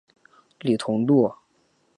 李同度。